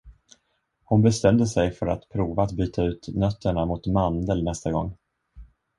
Hon bestämde sig för att prova att byta ut nötterna mot mandel nästa gång.